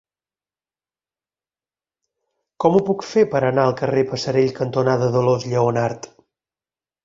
Com ho puc fer per anar al carrer Passerell cantonada Dolors Lleonart?